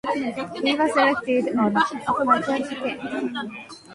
He was elected on a 'Puttian' ticket.